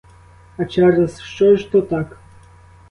А через що ж то так?